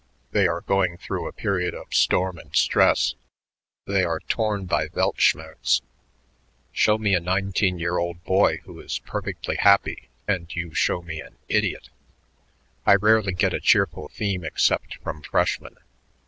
They are going through a period of storm and stress; they are torn by Weltschmerz. Show me a nineteen year old boy who is perfectly happy and you show me an idiot. I rarely get a cheerful theme except from freshmen.